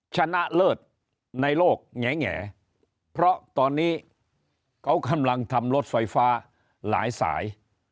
ชนะเลิศในโลกแง่เพราะตอนนี้เขากำลังทำรถไฟฟ้าหลายสาย